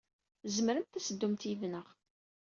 Tzemremt ad teddumt yid-neɣ.